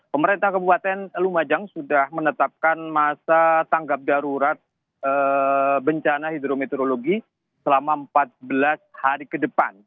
pemerintah kabupaten lumajang sudah menetapkan masa tanggap darurat bencana hidrometeorologi selama empat belas hari ke depan